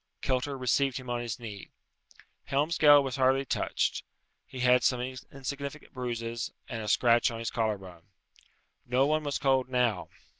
Kilter received him on his knee. Helmsgail was hardly touched: he had some insignificant bruises and a scratch on his collar bone. No one was cold now.